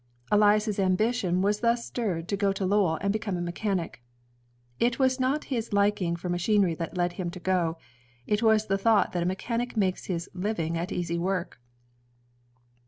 Elias's ambition was thus stirred to go to Lowell and become a mechanic. It was not his liking for machinery that led him to go; it was the thought that a mechanic makes his living at easy work.